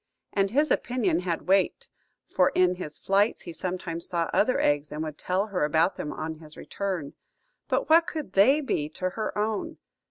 And his opinion had weight, for in his flights he sometimes saw other eggs, and would tell her about them on his return. But what could they be to her own?